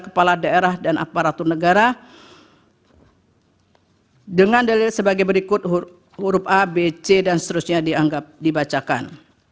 kepala daerah dan aparatur negara dengan sebagai berikut huruf a b c dan seterusnya dianggap dibacakan